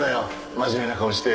真面目な顔して。